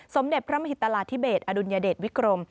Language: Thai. สมเด็จพระมหิตราธิเบสอดุลยเดชวิกรม